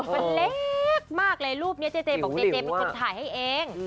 มันเล็กมากเลยรูปนี้เจเจบอกเจเจเป็นคนถ่ายให้เอง